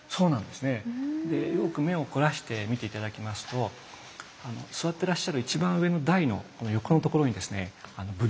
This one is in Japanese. でよく目を凝らして見て頂きますと座ってらっしゃる一番上の台の横のところにですね